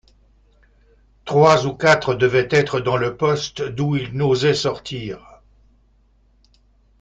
Trois ou quatre devaient être dans le poste d’où ils n’osaient sortir...